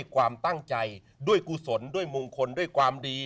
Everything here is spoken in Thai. ความตั้งใจด้วยกุศลด้วยมงคลด้วยความดี